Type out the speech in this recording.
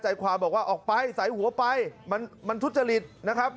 ใจความบอกว่าออกไปใส่หัวไปมันทุจริตนะครับ